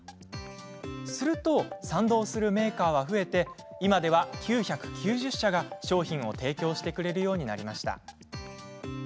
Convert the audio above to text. すると賛同するメーカーは増えて今では９９０社が商品を提供してくれるようになりました。